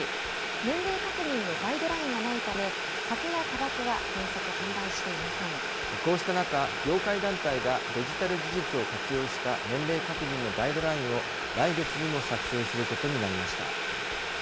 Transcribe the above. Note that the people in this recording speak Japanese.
年齢確認のガイドラインがないため、酒やたばこは原則販売していこうした中、業界団体がデジタル技術を活用した年齢確認のガイドラインを、来月にも作成することになりました。